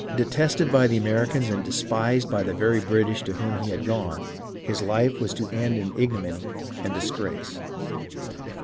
Detested by the Americans and despised by the very British to whom he had gone, his life was to end in ignominy and disgrace.